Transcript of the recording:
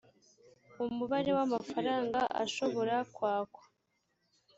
umubare w amafaranga ashobora kwakwa